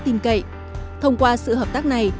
tin cậy thông qua sự hợp tác này